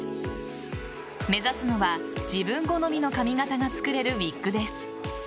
目指すのは自分好みの髪形が作れるウィッグです。